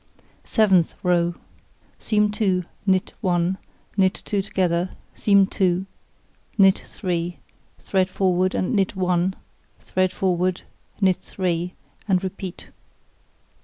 Seventh row: Seam 2, knit 1, knit 2 together, seam 2, knit 3, thread forward and knit 1, thread forward, knit 3, and repeat.